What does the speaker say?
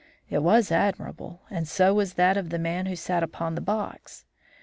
It was admirable, and so was that of the man who sat upon the box.